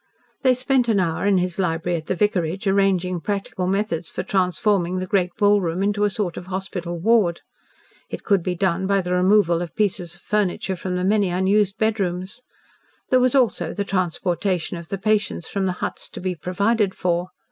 They spent an hour in his library at the vicarage, arranging practical methods for transforming the great ballroom into a sort of hospital ward. It could be done by the removal of pieces of furniture from the many unused bedrooms. There was also the transportation of the patients from the huts to be provided for.